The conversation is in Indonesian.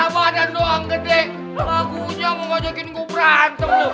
badan doang gede lagunya mau ngajakin gue berantem